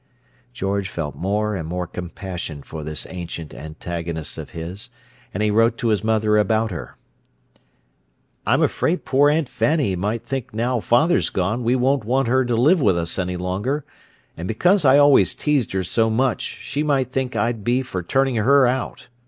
George felt more and more compassion for this ancient antagonist of his, and he wrote to his mother about her: I'm afraid poor Aunt Fanny might think now father's gone we won't want her to live with us any longer and because I always teased her so much she might think I'd be for turning her out.